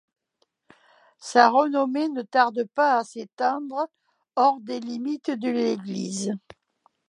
Sa renommée ne tarde pas à s'étendre hors de limites de l'église.